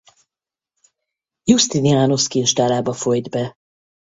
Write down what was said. Iusztinianosz kincstárába folyt be.